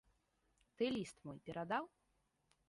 Ты ліст мой перадаў?